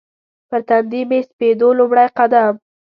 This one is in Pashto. پر تندي مې سپېدو لومړی قدم